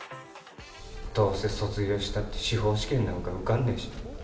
どうせ卒業したって、司法試験なんか受かんないし。